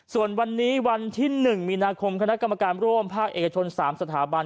ส่วนวันนี้วันที่๑มีนาคมคณะกรรมการร่วมภาคเอกชน๓สถาบัน